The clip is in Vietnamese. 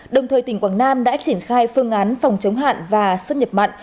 đồng thời tỉnh quảng nam đã triển khai phương án phòng chống hạn và xâm nhập mặn